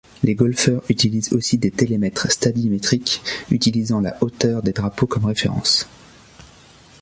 Les golfeurs utilisent aussi des télémètres stadimétriques utilisant la hauteur des drapeaux comme référence.